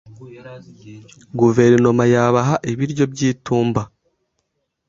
Guverinoma yabaha ibiryo by'itumba.